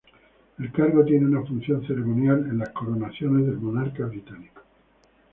El cargo tiene una función ceremonial en las coronaciones del monarca británico.